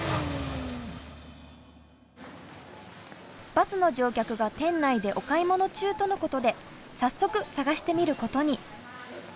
バスの乗客が店内でお買い物中とのことで早速探してみることに。